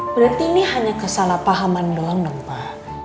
berarti ini hanya kesalahpahaman doang dong pak